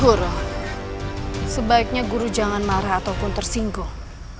guru sebaiknya guru jangan marah ataupun tersinggung